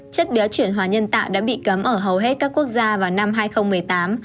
chất béo chuyển hóa nhân tạo đã bị cấm ở hầu hết các quốc gia vào năm hai nghìn một mươi tám